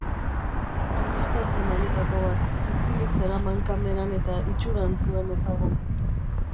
Turista zen haietako bat, zintzilik zeraman kameran eta itxuran zuen ezagun.